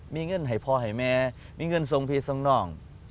มีเงินให้พ่อให้แม่มีเงินทรงพิษตรงนอก